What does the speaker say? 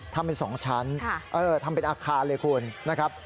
ทำเป็นสองชั้นค่ะเออทำเป็นอาคารเลยคุณนะครับ